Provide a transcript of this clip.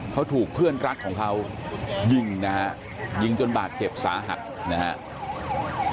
เขาถูกเพื่อนรักของเขายิงนะฮะยิงจนบาดเจ็บสาหัสนะครับ